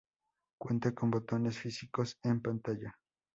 Cuenta con botones físicos en pantalla.